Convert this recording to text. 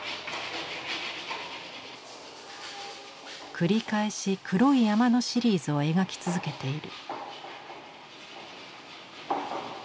繰り返し黒い山のシリーズを描き続けている。